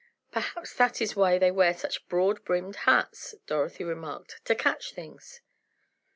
"Perhaps that is why they wear such broad brimmed hats," Dorothy remarked, "to catch things."